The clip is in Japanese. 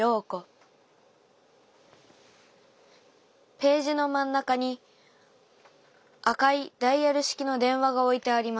ページの真ん中に赤いダイヤル式の電話が置いてあります。